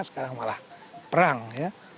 sekarang malah perang ya